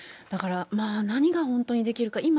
だから、何が本当にできるか。